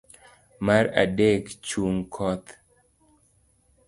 mar adek. chung'o koth